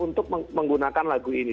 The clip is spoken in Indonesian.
untuk menggunakan lagu ini